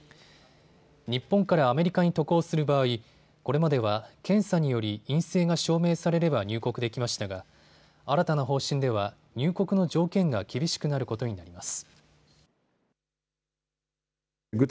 日本からアメリカに渡航する場合、これまでは検査により陰性が証明されれば入国できましたが新たな方針では入国の条件が厳しくなることになります。